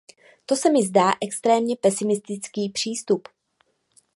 To se mi zdá jako extrémně pesimistický přístup.